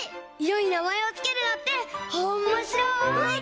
いろになまえをつけるのっておもしろい！